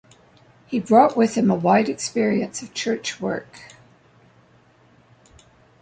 He brought with him a wide experience of church work.